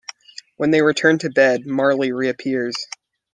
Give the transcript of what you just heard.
When they return to bed, Marley reappears.